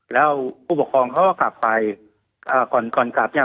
แล้วผู้ปกครองเขาก็กลับไปอ่าก่อนก่อนกลับเนี่ย